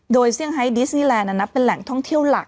โดยเซี่ยงไฮดิสนีแลนดเป็นแหล่งท่องเที่ยวหลัก